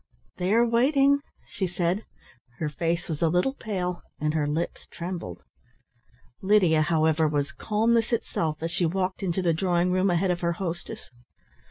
"They are waiting," she said. Her face was a little pale and her lips trembled. Lydia, however, was calmness itself, as she walked into the drawing room ahead of her hostess.